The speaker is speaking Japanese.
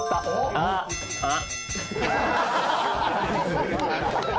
あっ。